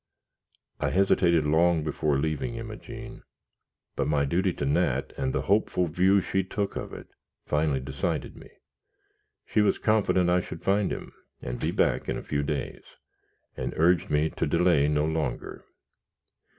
I hesitated long before leaving Imogene, but my duty to Nat, and the hopeful view she took of it, finally decided me. She was confident I should find him and be back in a few days, and urged me to delay no longer.